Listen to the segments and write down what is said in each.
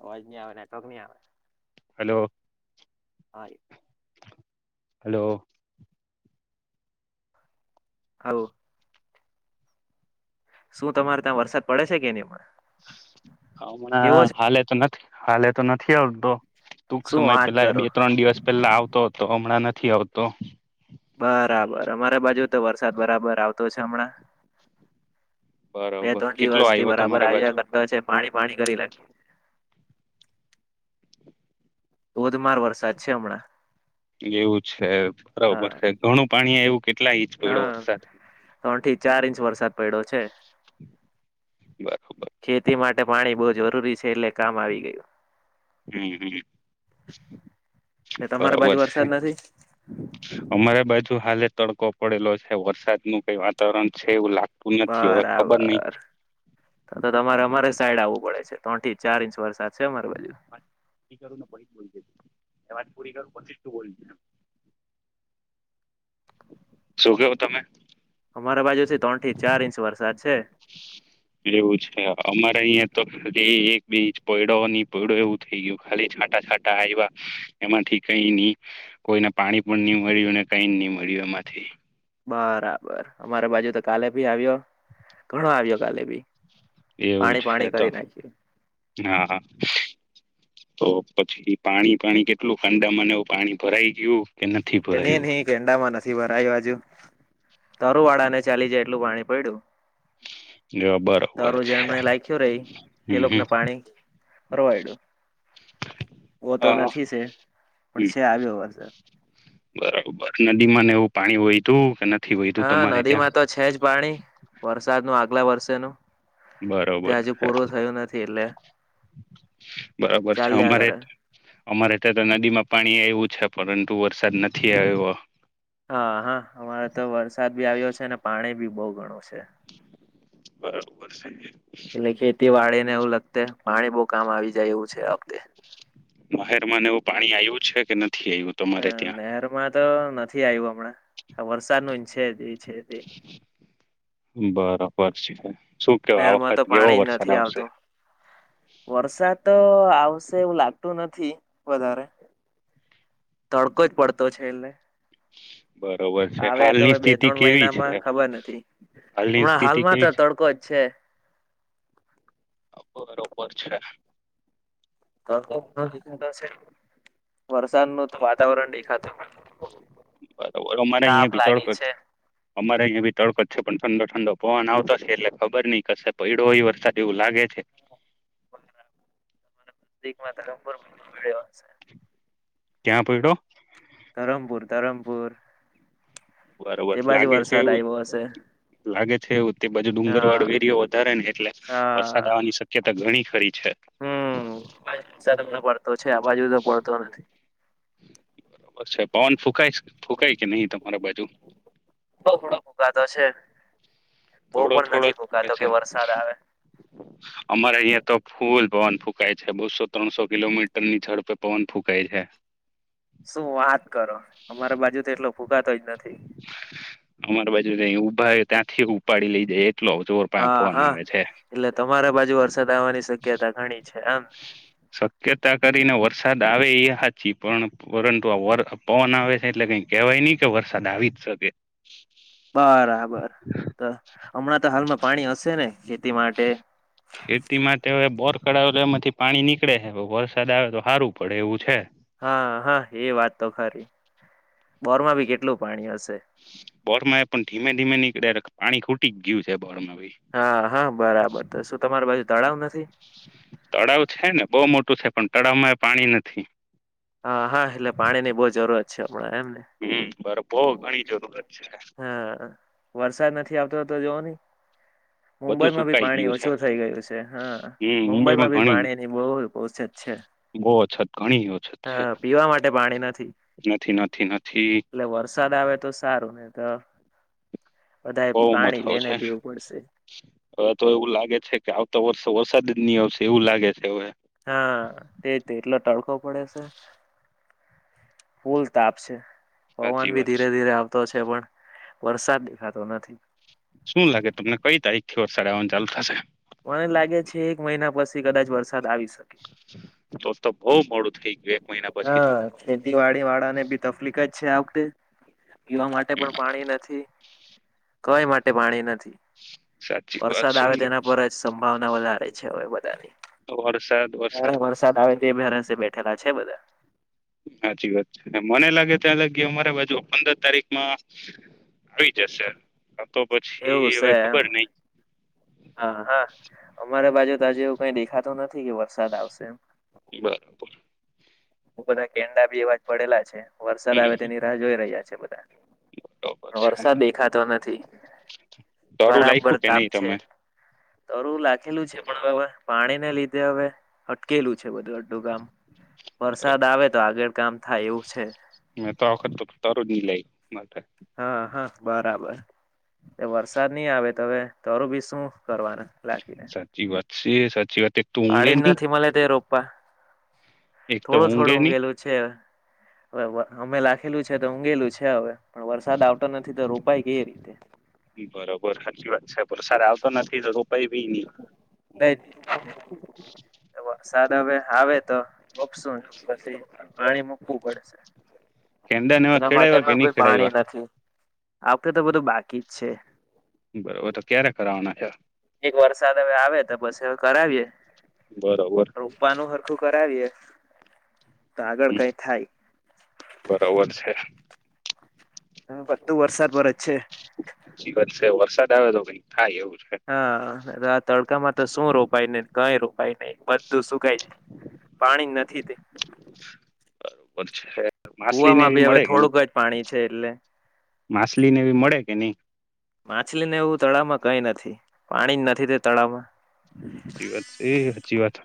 અવાજ ની આવે નેટવર્ક ની આવે. હલો. હાય. હલો. હાલ શું તમારે ત્યાં વરસાદ પડે છે કે નહી અમના? હમણા હાલે તો નથ હાલે તો નથી આવતો. ટૂંક શું સમય વાત પેલા કરો બે-ત્રણ દિવસ પહેલા આવતો હતો હમણાં નથ થી આવતો. બરાબર અમારા બાજુ તો વરસાદ બરાબર આવતો છે હમણાં. બરોબર બે-ત્રણ કેટલો દિવસથી આવ્યો બરાબર તમારા બાજુ આવીયા કરતો છે પાણી પાણી કરી નાખ્યું. ધોધમાર વરસાદ છે અમણાં. એવું છે. બરોબર છે ઘણું પાણી આયવુ કેટલા ઇચ? પયડો હા વરસાદ. ત્રણ થી ચાર ઇંચ વરસાદ પડ્યો છે, બરોબર ખેતી માટે પાણી બો જરૂરી છે એટલે કામ આવી ગયું. હમ હમ. એટલે તમારા બાજુ બરાબર છે, વરસાદ નથી અમારે બાજુ હાલે તડકો પડેલો છે વરસાદ નું કઈ વાતાવરણ છે એવું લાગ બરાબર, તો તમારે અમારે સાઈડ આવું પડે છે ત્રણથી ચાર ઇંચ વરસાદ છે અમા હા, ઈ કરું પછી જ બોલ જે. [unintelligible] મેં વાત પુરી કરું પછી જ તું બોલ જે. [unintelligible] શું કેવ તમે? મારા બાજુ થી ત્રણ થી ચાર ઇંચ વરસાદ છે એવું છે અમારે અહિયાં તો ખાલી એક બે ઇંચ પયડો ની પયડો એવું થઈ ગયું, ખાલી છાંટા છાંટા આયવા એમાંથી કઈ ની કોઈને પાણી પણ ની મળ્યું ને કઈ ની મળ્યું એમાંથી બરાબર, અમારે બાજુ તો કાલે ભી આવ્યો ઘણો આવ્યો કાલે ભી એવું પાણી છે પાણી તો, કરી નાખ્યું હા, હા તો પછી પાણી પાણી કેટલું ખાંડાંમાં ને એવું પાણી ભરાઈ ગ્યું એ, ને, ને કેન્ડામાં ન થી વારયુ આજુ તરુ વાળા ને ચાલી જાય એટલું પાણી પડ્યું જો બરોબર તરું છે જેમને લાયખ્યું રેય તે હમ હમ લોકોને પાણી ફરવાયડ્યું, ઓ તો હા નથી છે પણ હમ છે આવ્યો વરસાદ પછી નદી માં ને એવું પાણી વાયધૂ કે નથ હા, નદી માં તો છે જ પાણી વરસાદ નું આગ આગલા વર્ષેનું તે બરોબર, હજુ હે પૂરું થયું નથી એટલે બરોબર છે, ચાલ્યા અમારે કરે અમારે ત્યાં તો નદીમાં પાણી આવ્યુ છે, પરંતુ વરસાદ નથી આવ્યો હા, હા, અમારે તો વરસાદ ભી આવ્યો છે અને પાણી ભી બહુ ગણું છે બરોબર છે એટલે ખેતીવાળે એવું લગતે પાણી બહુ કામ આવી જાય એવું છે મહેર એવું પાણી આવ્યું છે કે નથી આવ્યું હ, તમારે નહેરમાં તો નથી આવ્યું હમણાં વરસાદ નુ છે જ છે તે તોપર છે શું કેવા નહેર આ માં તો વખત કેવો પાણી વરસાદ નથી આવશે આવતું, વરસાદ તો આવશે એવું લાગતું નથી થી વધારે તડકો જ પડતો છે એટલે બરોબર છે આવે તો હાલની બે, સ્થિતિ ત્રણ કેવી છે મહિનામાં ખબર નથી હાલની હમણાં સ્થિતિ હાલમાં તો કેવી છે તડકો જ છે બરોબર છે તડકો ઉપર દેખાતો છે, વરસાદ નું તો વાતાવરણ દેખાતું બરોબર, અમારે તાપ અહિયાં ભી લાગે તડકો જ છે, અમારે અહિયાં ભી તડકો જ છે પણ ઠંડો ઠંડો પવન આવતો છે એટલે ખબર નહી કશે પૈડો હોય વરસાદ એવું લાગે છે છે [unintelligible] ક્યાં પડ્યો ધરમપુર, ધરમપુર તે બરોબર બાજુ લાગે છે વરસાદ એવું આવ્યો હશે લાગે છે ઉ તે બાજુ ડુંગર હા વાળો એરયો વધારે ને એટલે વરસાદ આવવાની શક્યતા ઘણી ખરી છે હમ્મ, [unintelligible] પડતો છે આ બાજુ તો પડતો નથી. [unintelligible] બરોબર છે પવન ફૂકાય ફુકાઈ કે નહી તમારા બાજુ બઉ થોડો ફૂંકાતો છે બહુ થોડો પણ થોડો નથી ફૂંકાતો ફુકાય કે છે, વરસાદ આવે અમારે અહિયાં તો ફૂલ પવન ફૂંકાય છે, બસો, ત્રણસો કિલોમીટર ની ઝડ પે પવન ફૂંકાય છે શું વાત કરો? અમારે બાજુ તો એટલો ફૂંકાતો જ નથી. ઊભા હોય ત્યાંથી ઉપાડી લઈ જાય. એટલો જોર પા હા પવન હા, આવે છે એટલે તમારા બાજુ વરસાદ આવવાની શક્યતા ઘણી છે, આમ શક્યતા કરીને વરસાદ આવે એ હાચી પણ, પરંતુ આ પવન આવે છે એટલે કઈ કેહેવાય નહી કે વરસાદ આવી જ શકે.? બરાબર તો હમણાં તો હાલમાં પાણી હશે ને? માટે ખેતી માંટે હવે બોર કરાવ્યો તો એમાંથી પાણી નીકળે છે. વરસાદ આવે તો સારું પડે એવું છે. હા હા, એ વાત તો ખરી બોરમાં ભી કેટલું પાણી હશે.? બોર માં એ પણ ધીમે ધીમે નીકળે પાણી ખૂટી ગયું છે. બોરમાં ભાઈ હા હા, બરાબર તો શું તમારી બાજુ તળાવ નથી.? તળાવ છે ને બહુ મોટું છે પણ, તળાવમાં એ પાણી નથી. હા હા, એટલે પાણી ની બહુ જરૂરત પણ એમ? હમ બરફો ઘણી જરૂરત [unintelligible] છે હા વરસાદ નથી આવતો તો પેલું [inaudible] બધું મુંબઈમાં ભી સુકાઈ પાણી ગયું છે ઓછું થઈ ગયું છે. હા હમ મુંબઈમાં ભી ઘણી પાણીની બહુ અછત છે. બહુ અછત ઘણી અછત હ છે પીવા માટે પાણી નથી. નથી નથી નથી એટલે વરસાદ વરસાદ આવે તો સારું નઈ તો? બધા બઉ પાણી મથોઓ લઈને છે. પીવું પડશે હવે તો એવું લાગે છે કે આવતો વર્ષ તો વરસાદ જ ની આવશે એવું લાગે છે હવે? હા તે એટલો તડકો પડે છે. ફૂલ તાપ છે. હવાન સાચી ભી વાત છે ધીરે ધીરે આવતો છે. અરે પણ વરસાદ દેખાતો નથી. શું લાગે તમને કઈ તારીખ થી વરસાડ આવવાનું ચાલુ થશે.? મને લાગે છે કે એક મહિના પછી. કદાચ વર્ષે? [unintelligible] તો તો બઉ મોડું. [inaudible] પછી તો હા, ખેતીવાડી વાળા ને બી તકલીક જ છે આ વખતે પીવા માટે પણ પાણી નથી. કઈ માટે પાણી નથી. સાચી વાત વરસાદ આવે છે તેના પર જ સબ ભાવના વધારે છે. હવે વધારે ક્યરે વરસાદ આવે તે ભરોસે બેઠા. [inaudible] છે બધા હાચી વાત છે, મને લાગે છે અલગ અમારે બાજુ પંદર તારીખમાં આવી જશે તો એવું પછી સે હવે એમ ખબર નઈ હા, હા, અમારે બાજુ તો આજે એવું કઈ દેખાતું નથી કે વરસાદ આવશે એમ બરાબર બધા કેંડા બી એવા જ પડેલા છે વરસાદ આવે હમ તેની રાહ જોઈ રહ્યા છે, બધ વરસાદ દેખાતો નથી દરું બરાબર લાખ્યું કે તાપ નહી છે તમે તરું લખેલું છે પણ હવે, પાણીને લીધે હવે અટકેલું છે એ બધુ અડધું કામ, વરસાદ આવે તો આગળ કામ થાય એવું છે. મે તો આવખ તો તાર લઈ માત્ર હા હા બરાબર વરસાદ નહી આવે તવે તરું બી શું કરવાનું લખીને સી સાચી વાત એક તો ઊંઘે પાડી જ નહી નથી મલે તે રોક એક [unintelligible] તો થોડો-થોડો ઊંઘે ઊઘેલું છે. હવે અમે લાખેલું છે તો ઊંઘેલું છે હવે, પણ વરસાદ આવતો નથી, તો રોપાય કઈ રીતે? નહી બરોબર સાચી વાત છે વરસાદ આવતો નથી તો [unintelligible] નહી [inaudible] સાદ હવે આવે તો રોપશું, પછી પાણી મૂકવું પડશે. કેદન હવે એના ખેડાયવા કે ની ખેડાઈવા? આ વખતે તો બધું બાકી જ છે. બરોબર તો ક્યારે કરાવવાના છે એક વરસાદ હવે આવે તો પછી હવે કરાવીએ. બરોબર રોપવાનું હરખું કરાવીએે હમ્મ. બરોબર છે. હમ્મ. પછ એ તો વરસાદ પર જ છે એટલે વરસાદ આવે તો કંઈક થાય એવું છે હા ત્યા તળકા માજ તો શું રોપાઈ ને કઈ રોપાઈ નય તો સુકાય જાય પાણી નથી તે બરોબર છે માછલી ને કુવામાં એવી બી હવે મળે કે નહી થોડુંક જ પાણી છે એટલે માછલી ને એવી મળે કે નહી માછલીને એવું તળાવમાં કઈ નથી પાણી જ નથી તે તળાવમાં સાચચી વાત એ સાચચી વાત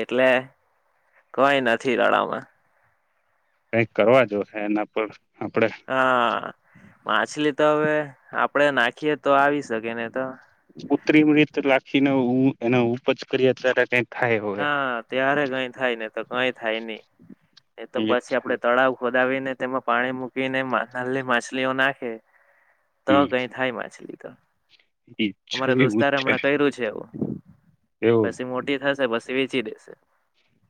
એટલે કોઈ નથી રડામાં કઈક કરવા જોશે એના પર આપડે હા માછલી તો હવે આપડે નાખીએ તો આવી શકે ને તો કુત્રિ મૃત લા હ નો ન એ ઉપજ કરીત્ર હતા હા ત્યારે કઈ થાય ને તો કઈ થાય નહી [inaudible] એ તો પછી આપડે તળાવ ઉપર ાવ સને તેમાં પાણી મૂકીને નાની માછલીઓ નાખે તો હમ કઈ થાય માછલી તો અમારે છે એવું જ દોસ્તારે છે હમણાં કર્યું છે એવું એવું પછી મોટી થશે વેચી દેશે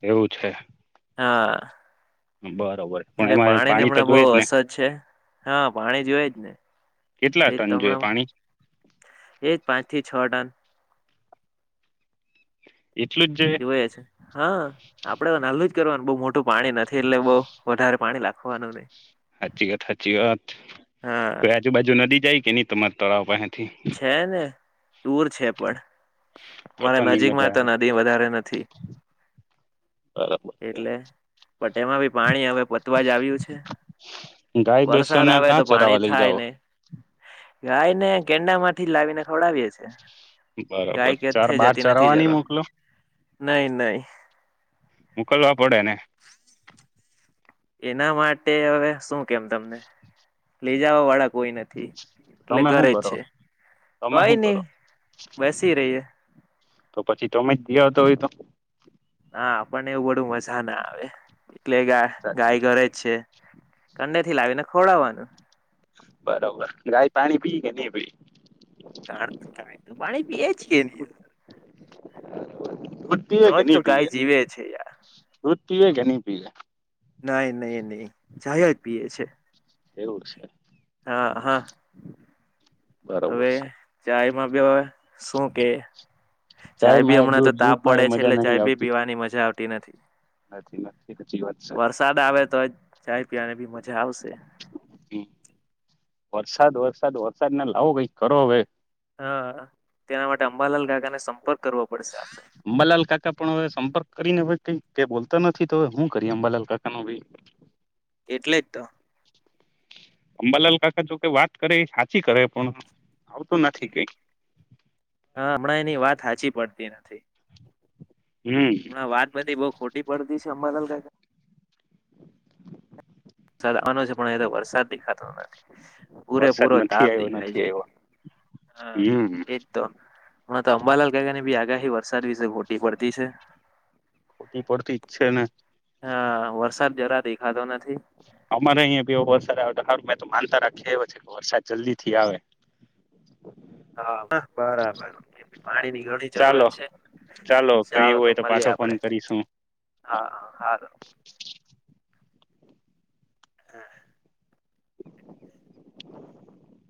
એવું છે હા બાત એટલે પાણી ને હમણા બહુ અસર છે હા પાણી જોવે જ ને કેટલા ટન જોઈ પાણી એ જ પાંચ થી છ ટન એટલું જોઈએ છે હા આપડે તો નાલું જ કરવાનું બહુ મોટું પાણી નથી એટલે બઉ વધારે પાણી લખવાનું નહી સાચી વાત સાચી વાત હા. કોઈ આજુબાજુ નદી જાય કે નની તમાર તળાવ બહેન છે ને દુર છે પણ તો તો મારા નઈ નજીકમાં મજા તો નદી વધારે નથી આવે બરોબર છે એટલે પણ એમાં બી પાણી હવે પતવા જ આવ્યું છે ગાય વરસાદ બેસોને આવે કાં તો પાણી ચરાવા લઈ થાય જાઓ નને ગાય ને ગેંડા માંથી લાવીને ખવડાવીએ છીએ બરોબર ચાર બાર ચરવા નઈ જરવા મોકલો નહી નહી મુકલવા પડે ને એના માટે હવે શું કેમ તમને લઈ જવા વાળા કોઈ નથી એટલે તમે શું ઘરે જ કરો છે તમે કઈ શું ની કરો બેસી રહીએ તો પછી તમે જ દીતો હોય તો ના આપણે ને એવું બધું મજા ના આવે. એટલે ગા સાચી ગાય વાત ઘરે છે અંદરથી લાવીને ખવડાવાનું બરોબર ગાય પાણી પી કે ની પીય પાણી પીએ જ કે ની દૂધ પીવે તો કે ની તો ગાય પીવે જીવે છે પીવે કે ની પીવે નહી નહી નહી જાય જ પીએ છે એવું છે હા, હા બરોબર હવે, છે ચાય [unintelligible] શું કે ચાય બી ચાયમાં એ હમણાં તો દૂધ તાપ દૂધમાં પડે એ છે મજા એટલે નહી ચાય ભી આવતી પીવાની મજા આવતી નથી, નથી નથી સાચી વાત છે વરસાદ આવે તો જ ચાય પીવાની બી મજા આવશે હમ. વરસાદ, વરસાદ, વરસાદ ને લાવો કઈ કરો હવે હા, તેના માટે અંબાલાલ કાકાને સંપર્ક કરવો પડશે અંબાલાલ કાકા પણ હવે સંપર્ક કરીને હવે કઈ કે બોલતો નથી તો હું કરી અંબાલાલ કાકા ન ભી એટલે જ તો અંબાલાલ કાકા જો કઈ વાત કરે હાચી કરે પણ આવતું નથી કઈ હા, હમણાં એની વાત સાાચી પડતી નથી હમ, વાત બધી બઉ ખોટ [unintelligible] પડતી છે અંબાલાલ કાકા [inaudible] પૂરે વરસાદ પૂરો નથી તાપ આવ્યો દેખાય નથી છે, આવ્યો હા, હમ એજ તો હ, તો અંબાલાલ કકા ને બી આગાહી વરસાદ વિશે ખોટી પડતી છે ખોટી પડતી જ છે ને હા વરસાદ જરા દેખાતો નથી અમારે અહીંયાં બી એવેા વરસાદ આવે તો હારુ મેં તો માનતા રાખી આવ્યો છે કે વરસાદ જલ્દી થી આવે હા, બરાબર એ પાણીની ઘણી ચાલો જરૂરત છે, ચાલો કઈ જાઓ એવું તો હોય મલીએ પાછો ફોન આપડે કરીશું હા, હા, હા હા [inaudible]